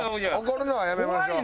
怒るのはやめましょう。